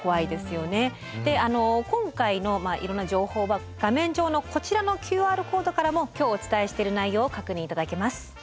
であの今回のいろんな情報は画面上のこちらのＱＲコードからも今日お伝えしてる内容を確認いただけます。